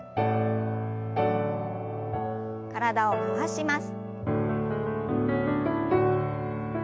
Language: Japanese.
体を回します。